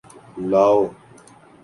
لاؤ